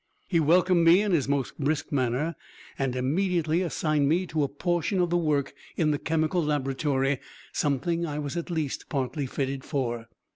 He welcomed me in his most brisk manner and immediately assigned me to a portion of the work in the chemical laboratory something I was at least partly fitted for.